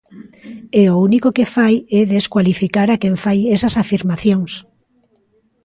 E o único que fai é descualificar a quen fai esas afirmacións.